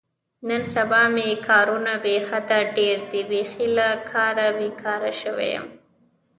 نن سبا مې کارونه بې حده ډېر دي، بیخي له کاره بېگاره شوی یم.